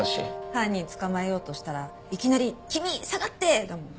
犯人捕まえようとしたらいきなり「君下がって！」だもん。